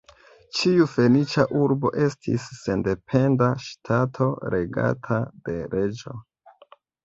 Ĉiu Fenica urbo estis sendependa ŝtato regata de reĝo.